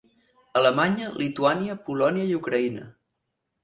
Alemanya, Lituània, Polònia i Ucraïna.